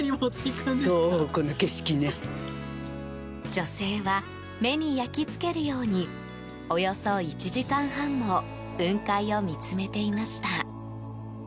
女性は、目に焼き付けるようにおよそ１時間半も雲海を見つめていました。